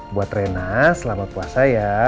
buat rena selama puasa ya